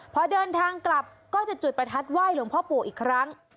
พอเดินทางกลับก็จะจุดประทัดไห้หลวงพ่อปู่อีกครั้ง